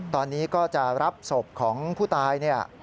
ตอนนี้ก็จะรับศพของผู้ตายเนี่ย